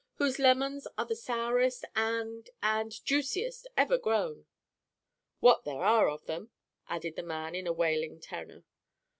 "Whose lemons are the sourest and—and—juiciest ever grown." "What there are of them," added the man in a wailing tenor.